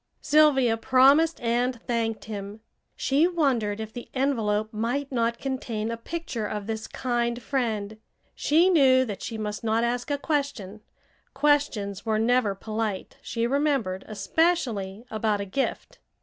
Sylvia promised and thanked him. She wondered if the envelope might not contain a picture of this kind friend. She knew that she must not ask a question; questions were never polite, she remembered, especially about a gift.